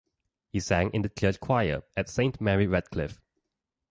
He sang in the church choir at Saint Mary Redcliffe.